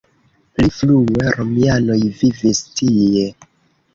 Pli frue romianoj vivis tie.